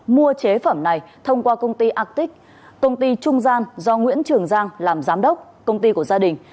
mua chế phẩm này thông qua công ty atic công ty trung gian do nguyễn trường giang làm giám đốc công ty của gia đình